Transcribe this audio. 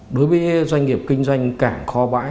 đối với doanh nghiệp kinh doanh cảng kho bãi